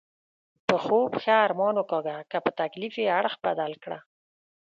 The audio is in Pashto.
په خوب ښه ارمان وکاږه، که په تکلیف یې اړخ بدل کړه.